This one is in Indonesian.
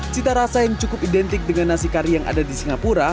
cita rasa yang cukup identik dengan nasi kari yang ada di singapura